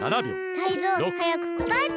タイゾウはやくこたえて。